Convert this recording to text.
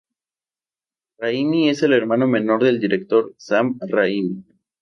Raimi es el hermano menor del director Sam Raimi.